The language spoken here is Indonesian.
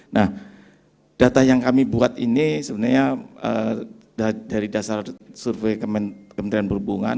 nah data yang kami buat ini sebenarnya dari dasar survei kementerian perhubungan